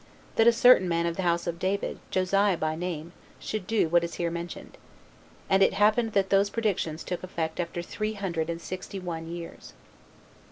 that a certain man of the house of David, Josiah by name, should do what is here mentioned. And it happened that those predictions took effect after three hundred and sixty one years.